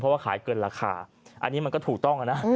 เพราะว่าขายเกินราคาอันนี้มันก็ถูกต้องนะ